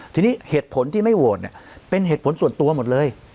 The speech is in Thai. ทีนี้เหตุผลที่ไม่โหวตเป็นเหตุผลส่วนตัวหมดเลย